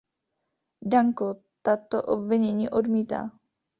Danko tato obvinění odmítá.